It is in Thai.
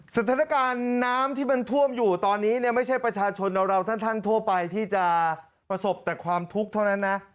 สถานการณ์น้ำที่มันท่วมอยู่ตอนนี้เนี่ยไม่ใช่ประชาชนเราท่านทั่วไปที่จะประสบแต่ความทุกข์เท่านั้นนะ